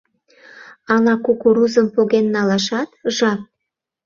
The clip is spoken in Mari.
Ала кукурузым поген налашат жап.